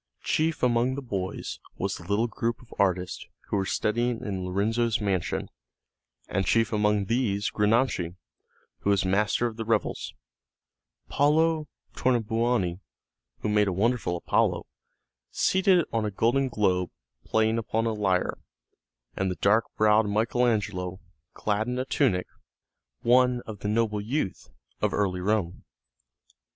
Chief among the boys was the little group of artists who were studying in Lorenzo's mansion, and chief among these Granacci, who was Master of the Revels, Paolo Tornabuoni, who made a wonderful Apollo, seated on a golden globe playing upon a lyre, and the dark browed Michael Angelo, clad in a tunic, one of the noble youth of early Rome.